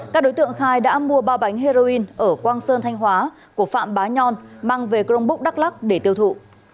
các đối tượng khai đã mua ba bánh heroin ở quang sơn thanh hóa của phạm bá nhon mang về crong búc đắk lắc để tiêu thụ